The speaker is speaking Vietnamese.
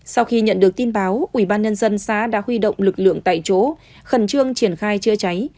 sau khi nhận được tin báo ủy ban nhân dân xã đã huy động lực lượng tại chỗ khẩn trương triển khai chữa cháy